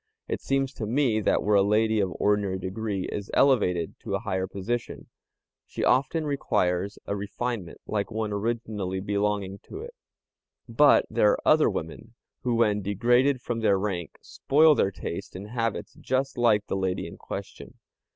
It seems to me that where a lady of ordinary degree is elevated to a higher position, she often acquires a refinement like one originally belonging to it; but there are other women, who when degraded from their rank spoil their taste and habits just like the lady in question.